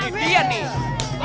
wah ini dia nih